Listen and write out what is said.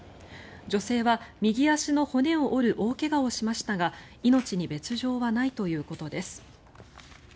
女性は右足の骨を折る大怪我をしましたが命に別条はないということです。